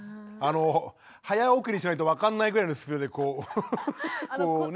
早送りしないと分かんないぐらいのスピードでこうこうね。